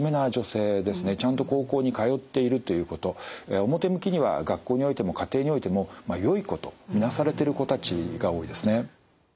ちゃんと高校に通っているということ表向きには学校においても家庭においてもよい子と見なされてる子たちが多いですね。